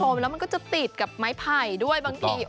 แต่เวลาก็จะตีดกับไม้ไภด้วยบางที